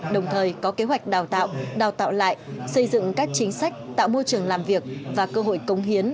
đồng thời có kế hoạch đào tạo đào tạo lại xây dựng các chính sách tạo môi trường làm việc và cơ hội công hiến